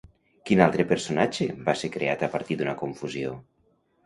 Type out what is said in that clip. Quin altre personatge va ser creat a partir d'una confusió?